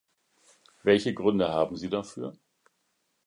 Welche Gründe haben sie dafür?